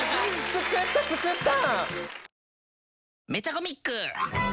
作った作った！